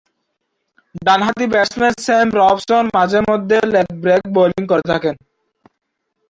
ডানহাতি batsman Sam Robson মাঝে-মধ্যে leg break bowling করে থাকেন।